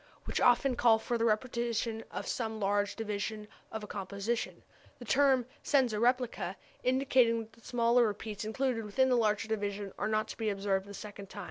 which often call for the repetition of some large division of a composition, the term senza replica indicating that the smaller repeats included within the larger division are not to be observed the second time.